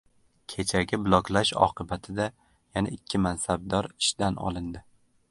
Kechagi "bloklash" oqibatida yana ikki mansabdor ishdan olindi